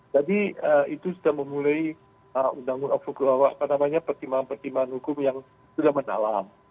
jadi itu sudah memulai undang undang apa namanya pertimbangan pertimbangan hukum yang sudah mendalam